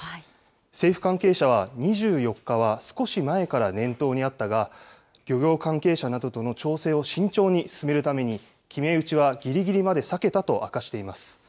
政府関係者は、２４日は少し前から念頭にあったが、漁業関係者などとの調整を慎重に進めるために、決め打ちはぎりぎりまで避けたと明かしています。